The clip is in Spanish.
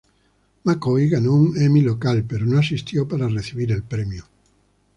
McCoy ganó un Emmy local pero no asistió para recibir el premio.